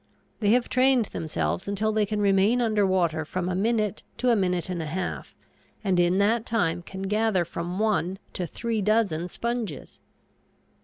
They have trained themselves until they can remain under water from a minute to a minute and a half, and in that time can gather from one to three dozen sponges.